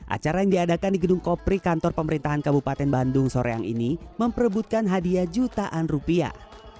acara yang diadakan di gedung kopri kantor pemerintahan kabupaten bandung soreang ini memperebutkan hadiah jutaan rupiah